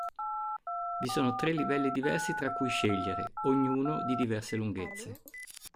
Vi sono tre livelli diversi tra cui scegliere, ognuno di diverse lunghezze.